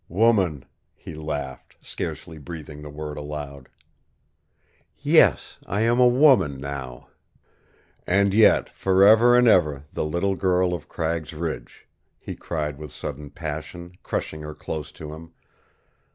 "WOMAN," he laughed, scarcely breathing the word aloud. "Yes, I am a woman now" "And yet forever and ever the little girl of Cragg's Ridge," he cried with sudden passion, crushing her close to him.